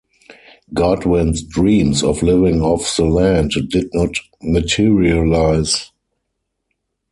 Godwin's dreams of living off the land did not materialize.